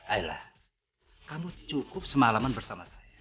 aila kamu cukup semalaman bersama saya